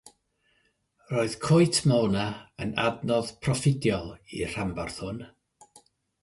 Roedd coetmona yn adnodd proffidiol i'r rhanbarth hwn.